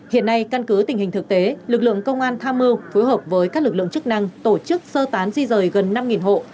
hiện nay căn cứ tình hình thực tế lực lượng công an tham mưu phối hợp với các lực lượng chức năng tổ chức sơ tán di rời gần năm hộ